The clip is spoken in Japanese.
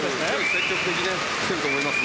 積極的に来ていると思います。